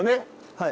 はい。